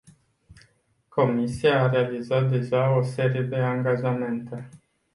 Comisia a realizat deja o serie de angajamente.